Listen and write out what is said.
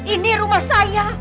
ini rumah saya